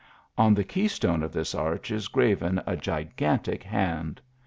On the key stone of this arch is engraven a gigantic hand.